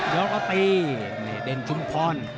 ยกอาตีเด้นชุมพล